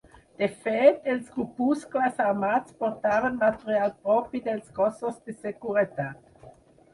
De fet, els grupuscles armats portaven material propi dels cossos de seguretat.